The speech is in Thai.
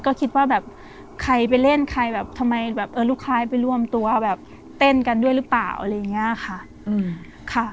ก็คิดว่าแบบใครไปเล่นใครแบบทำไมแบบเออลูกค้าไปร่วมตัวแบบเต้นกันด้วยหรือเปล่าอะไรอย่างนี้ค่ะ